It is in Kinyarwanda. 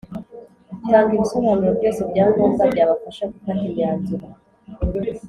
Tnga ibisobanuro byose bya ngombwa byabafasha gufata imyanzuro